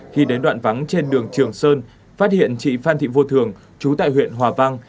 khi đến đoạn vắng trên đường trường sơn phát hiện chị phan thị vô thường trú tại huyện hòa vang